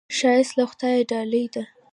ښایست له خدایه ډالۍ ده